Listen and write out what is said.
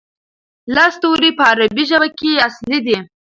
لس توري په عربي ژبه کې اصلي دي.